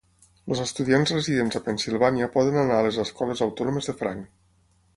Els estudiants residents a Pennsilvània poden anar a les escoles autònomes de franc.